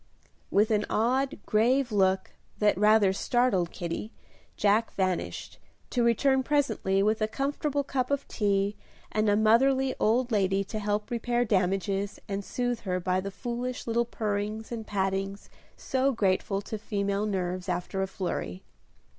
With an odd, grave look, that rather startled Kitty, Jack vanished, to return presently with a comfortable cup of tea and a motherly old lady to help repair damages and soothe her by the foolish little purrings and pattings so grateful to female nerves after a flurry.